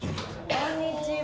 こんにちは。